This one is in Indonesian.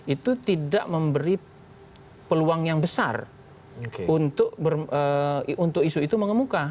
itu tidak memberi peluang yang besar untuk isu itu mengemuka